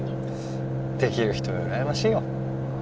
できる人は羨ましいよ。